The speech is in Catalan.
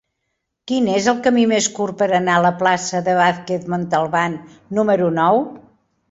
Quin és el camí més curt per anar a la plaça de Vázquez Montalbán número nou?